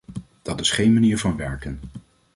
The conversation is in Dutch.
Dat is geen manier van werken!